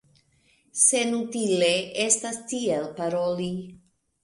Senutile estas tiel paroli.